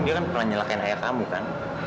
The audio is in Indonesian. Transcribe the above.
dia kan pernah nyalakan ayah kamu kan